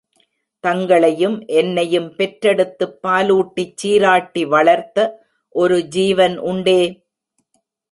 தங்களையும் என்னையும் பெற்றெடுத்துப் பாலூட்டிச் சீராட்டி வளர்த்த ஒரு ஜீவன் உண்டே!